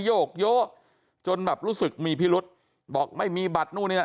โยกโยจนแบบรู้สึกมีพิรุษบอกไม่มีบัตรนู่นนี่นั่น